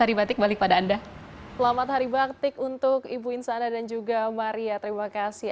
hari batik balik pada anda selamat hari baktik untuk ibu insana dan juga maria terima kasih